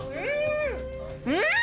うん！